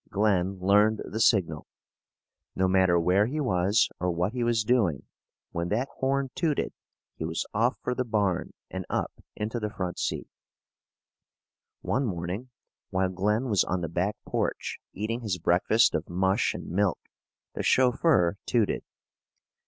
Glen learned the signal. No matter where he was or what he was doing, when that horn tooted he was off for the barn and up into the front seat. One morning, while Glen was on the back porch eating his breakfast of mush and milk, the chauffeur tooted.